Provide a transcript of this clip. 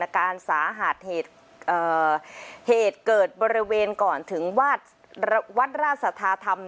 อาการสาหัสเหตุเกิดบริเวณก่อนถึงวาดวัดราชสัทธาธรรม